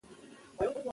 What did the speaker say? تاریخ د قوم حافظه ده.